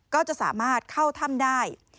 ก็จะสามารถเข้าถ้ำได้